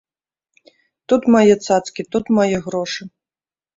Тут мае цацкі, тут мае грошы.